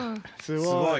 すごい。